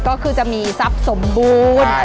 ก็คือจะมีทรัพย์สมบูรณ์